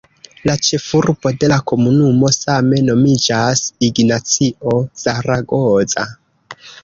La ĉefurbo de la komunumo same nomiĝas "Ignacio Zaragoza".